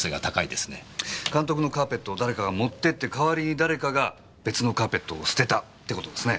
監督のカーペットを誰かが持って行って代わりに誰かが別のカーペットを捨てたってことですね？